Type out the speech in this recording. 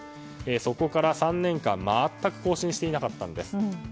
そこから３年間全く更新がなかったんです。